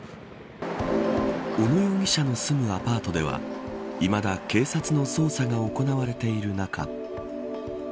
小野容疑者の住むアパートではいまだ警察の捜査が行われている中